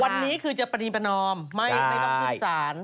วันนี้คือจะปรณีประนอมไม่ต้องขึ้นศาล